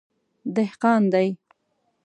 _دهقان دی.